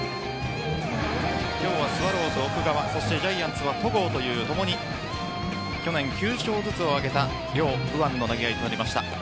今日はスワローズ、奥川ジャイアンツは戸郷という共に去年９勝ずつを挙げた両右腕の投げ合いとなりました。